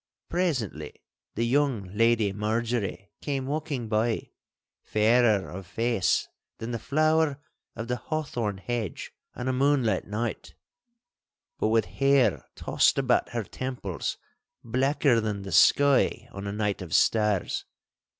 Presently the young Lady Marjorie came walking by, fairer of face than the flower of the hawthorn hedge on a moonlight night, but with hair tossed about her temples blacker than the sky on a night of stars.